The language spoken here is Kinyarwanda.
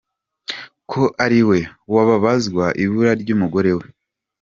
ko ariwe wabazwa ibura ry’umugore we.